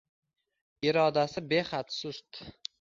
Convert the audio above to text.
irodasi behad sust